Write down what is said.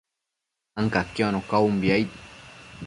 ancaquiono caumbi, aid